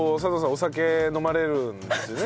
お酒飲まれるんですね。